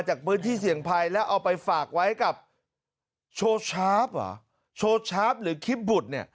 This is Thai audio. จากพื้นที่เสี่ยงภัยและเอาไปฝากไว้กับโชชาร์ฟหรือคิบบุตร